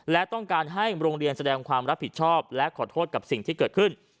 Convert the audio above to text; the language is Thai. และต้องการให้โรงเรียนแสดงความรับผิดชอบและขอโทษกับสิ่งที่เกิดขึ้น